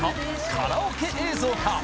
カラオケ映像か？